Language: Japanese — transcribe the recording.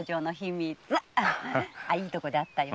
いいとこで会ったよ。